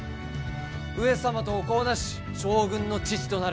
上様とお子をなし将軍の父となる。